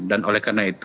dan oleh karena itu